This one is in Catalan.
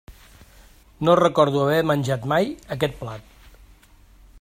No recordo haver menjat mai aquest plat.